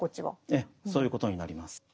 ええそういうことになります。